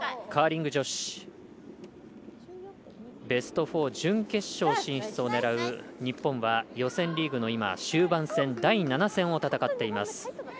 カーリング女子、ベスト４準決勝進出を狙う日本は、予選リーグの終盤戦第７戦を戦っています。